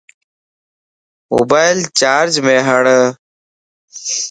موبائل چارج مَ ھڙ